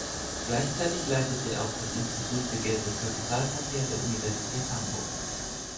Gleichzeitig leitete er auch das Institut für Geld- und Kapitalverkehr der Universität Hamburg.